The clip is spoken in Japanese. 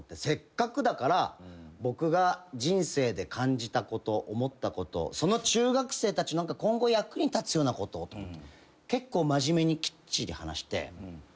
せっかくだから僕が人生で感じたこと思ったことその中学生たち今後役に立つようなこと結構真面目にきっちり話して。